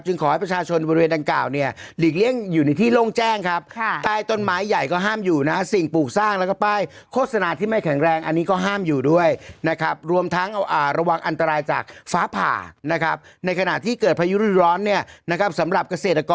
จึงขอให้ประชาชนบริเวณดังกล่าวเนี่ยหลีกเลี่ยงอยู่ในที่โล่งแจ้งครับ